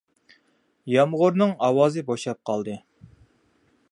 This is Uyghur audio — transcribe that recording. يامغۇرنىڭ ئاۋازى بوشاپ قالدى.